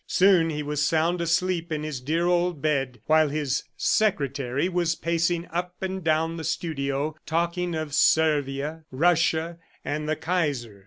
Soon he was sound asleep in his dear old bed while his "secretary" was pacing up and down the studio talking of Servia, Russia and the Kaiser.